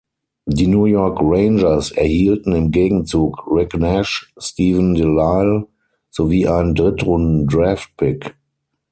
Die New York Rangers erhielten im Gegenzug Rick Nash, Steven Delisle sowie ein Drittrunden-Draftpick.